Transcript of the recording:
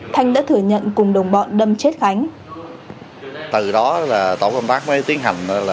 thanh đã thừa nhận cùng đồng bọn đâm chết khánh